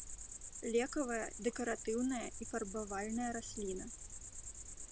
Лекавая, дэкаратыўная і фарбавальная расліна.